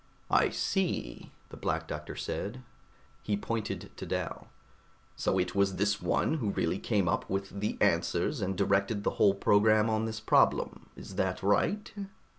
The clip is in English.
"I see," the Black Doctor said. He pointed to Dal. "So it was this one who really came up with the answers and directed the whole program on this problem, is that right?"